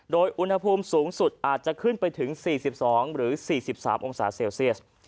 โดยอุณหภูมิสูงสุดอาจจะขึ้นไปถึง๔๒หรือ๔๓องศาเซลเซียส